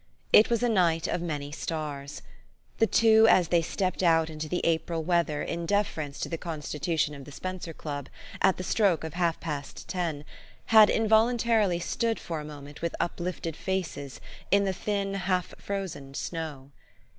It was a night of many stars. The two, as they stepped out into the April weather, in deference to the constitution of the Spenser Club, at the stroke of half past ten, had involuntarily stood for a mo ment with uplifted faces in the thin, half frozen snow.